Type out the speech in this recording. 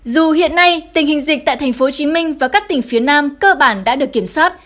dù hiện nay tình hình dịch tại tp hcm và các tỉnh phía nam cơ bản đã được kiểm soát